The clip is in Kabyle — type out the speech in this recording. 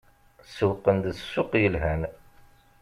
Sewwqen-d ssuq yelhan.